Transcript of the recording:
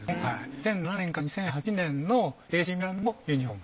２００７年から２００８年のＡＣミランのユニフォーム。